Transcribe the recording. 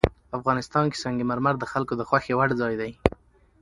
افغانستان کې سنگ مرمر د خلکو د خوښې وړ ځای دی.